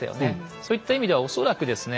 そういった意味では恐らくですね